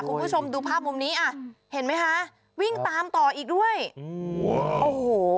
คุณผู้ชมดูภาพมุมนี้อ่ะเห็นไหมคะวิ่งตามต่ออีกด้วยโอ้โห